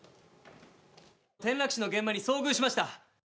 転落死の現場に遭遇しました。